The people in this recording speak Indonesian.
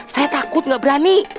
saya takut gak berani